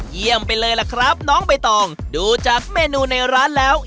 เยี่ยมไปเลยล่ะครับน้องใบตองดูจากเมนูในร้านแล้ว